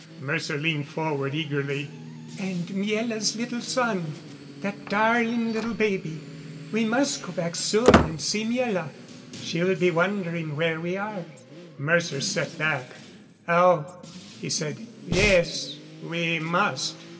Mercer leaned forward eagerly. "And Miela's little son that darling little baby. We must go back soon and see Miela. She will be wondering where we are." Mercer sat back. "Oh," he said. "Yes, we must."